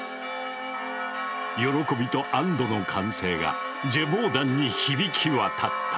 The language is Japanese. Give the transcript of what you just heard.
喜びと安どの歓声がジェヴォーダンに響き渡った。